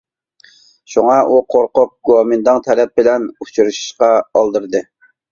شۇڭا، ئۇ قورقۇپ گومىنداڭ تەرەپ بىلەن ئۇچرىشىشقا ئالدىرىدى.